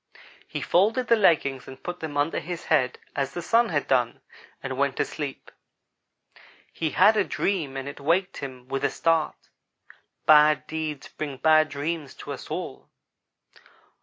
"He folded the leggings and put them under his head as the Sun had done, and went to sleep. He had a dream and it waked him with a start. Bad deeds bring bad dreams to us all.